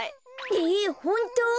ええホント？